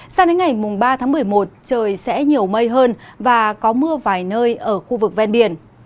sang đến ngày ba tháng một mươi một trời sẽ nhiều mây hơn và có mưa vài nơi ở khu vực ven biển